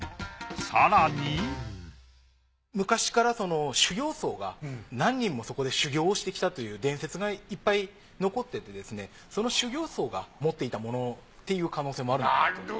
更に昔から修行僧が何人もそこで修行をしてきたという伝説がいっぱい残っててその修行僧が持っていた物っていう可能性もあるのかなと。